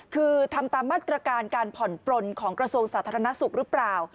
คือทำตามมาตรการการผ่อนปลนของกระทรวงสาธารณสุขหรือเปล่า